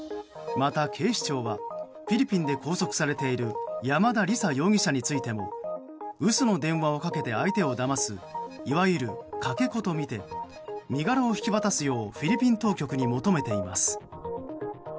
また、警視庁はフィリピンで拘束されている山田李沙容疑者についても嘘の電話をかけて相手をだますいわゆる、かけ子とみて身柄を引き渡すようフィリピン当局に求めています。